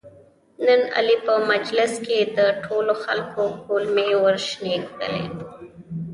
نن علي په مجلس کې د ټولو خلکو کولمې ورشنې کړلې.